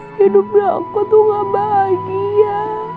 hidupnya aku tuh gak bahagia